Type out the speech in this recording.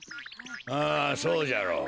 ああそうじゃろう。